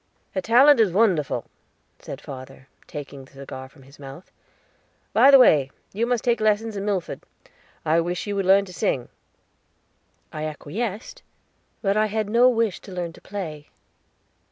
"Her talent is wonderful," said father, taking the cigar from his mouth. "By the way, you must take lessons in Milford; I wish you would learn to sing." I acquiesced, but I had no wish to learn to play.